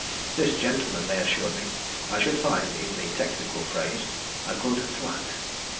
This gentleman, they assured me, I should find, in the technical phrase, a good flat.